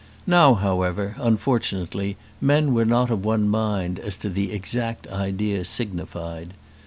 Now, however, unfortunately, men were not of one mind as to the exact idea signified.